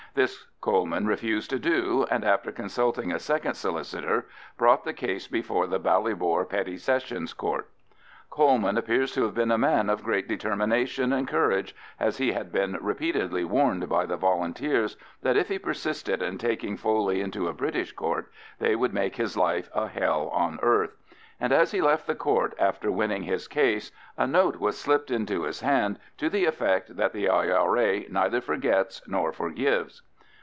This Coleman refused to do, and after consulting a second solicitor, brought the case before the Ballybor Petty Sessions Court. Coleman appears to have been a man of great determination and courage, as he had been repeatedly warned by the Volunteers that if he persisted in taking Foley into a British Court they would make his life a hell on earth; and as he left the court after winning his case, a note was slipped into his hand to the effect that the I.R.A. neither forgets nor forgives.